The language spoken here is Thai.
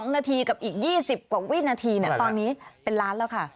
๒นาทีกับอีก๒๐กว่าวินาทีตอนนี้เป็นล้านแล้วค่ะ